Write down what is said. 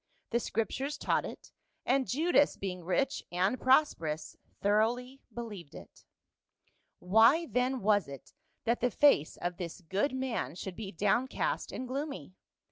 The Scrip tures taught it ; and Judas, being rich and prosperous, thoroughly believed it. Why then was it that the face of this good man 116 PA VL. should be downcast and gloomy.